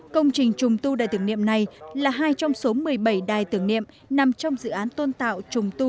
công trình trùng tu đài tưởng niệm này là hai trong số một mươi bảy đài tưởng niệm nằm trong dự án tôn tạo trùng tu